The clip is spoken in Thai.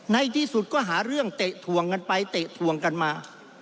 ในที่สุดก็หาเรื่องเตะถวงกันไปเตะถวงกันมา